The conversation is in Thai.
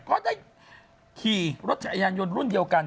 ก็ได้ขี่รถจักรยานยนต์รุ่นเดียวกัน